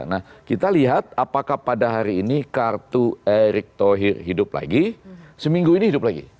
nah kita lihat apakah pada hari ini kartu erick thohir hidup lagi seminggu ini hidup lagi